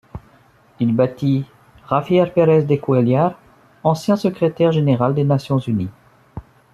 Il battit Javier Pérez de Cuéllar, ancien secrétaire général des Nations unies.